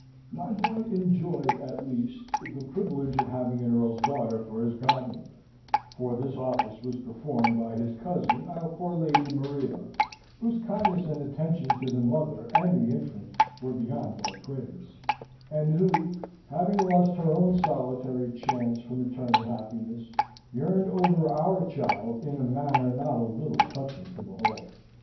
My boy enjoyed at least the privilege of having an earl's daughter for his godmother; for this office was performed by his cousin, our poor Lady Maria, whose kindness and attention to the mother and the infant were beyond all praise; and who, having lost her own solitary chance for maternal happiness, yearned over our child in a manner not a little touching to behold.